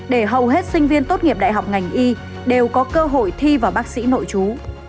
để hầu hết sinh viên tốt nghiệp đại học ngành y đều có cơ hội thi vào bác sĩ nội chú